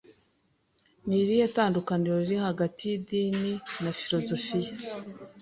Ni irihe tandukaniro riri hagati y'idini na filozofiya?